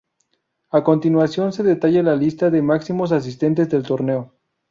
A continuación se detalla la lista de máximos asistentes del torneo.